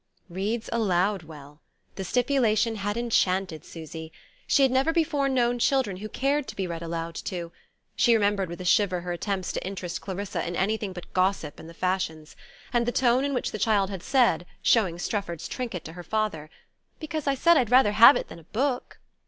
Reads aloud well! The stipulation had enchanted Susy. She had never before known children who cared to be read aloud to; she remembered with a shiver her attempts to interest Clarissa in anything but gossip and the fashions, and the tone in which the child had said, showing Strefford's trinket to her father: "Because I said I'd rather have it than a book."